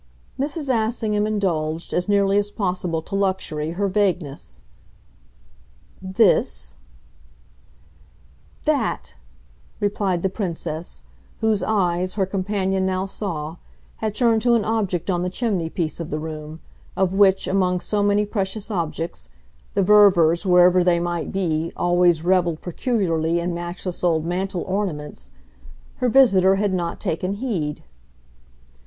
Mrs. Assingham indulged, as nearly as possible to luxury, her vagueness. "'This' ?" "THAT!" replied the Princess, whose eyes, her companion now saw, had turned to an object on the chimney piece of the room, of which, among so many precious objects the Ververs, wherever they might be, always revelled peculiarly in matchless old mantel ornaments her visitor had not taken heed.